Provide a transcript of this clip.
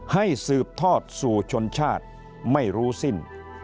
สืบทอดสู่ชนชาติไม่รู้สิ้น